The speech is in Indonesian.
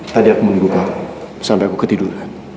tadi aku menunggu kamu sampai aku ketiduran